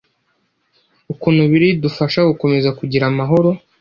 ukuntu Bibiliya idufasha gukomeza kugira amahoro